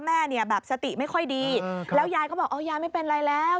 แม่สติไม่ค่อยดีแล้วยายก็บอกยายไม่เป็นไรแล้ว